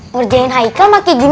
ngerjain haikal pake jenian